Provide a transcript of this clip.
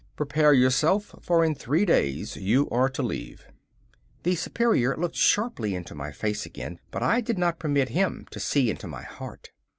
Prepare yourself, for in three days you are to leave us.' The Superior looked sharply into my face again, but I did not permit him to see into my heart.